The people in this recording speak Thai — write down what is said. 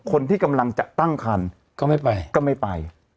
๕คนที่กำลังจะตั้งคันก็ไม่ไป